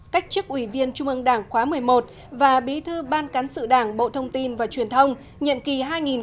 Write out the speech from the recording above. cách chức ủy viên trung ương đảng khóa một mươi một và bí thư ban cán sự đảng bộ thông tin và truyền thông nhiệm kỳ hai nghìn một mươi sáu hai nghìn một mươi sáu